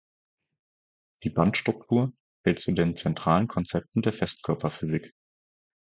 Die Bandstruktur zählt zu den zentralen Konzepten der Festkörperphysik.